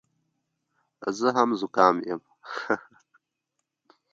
زه زکام یم.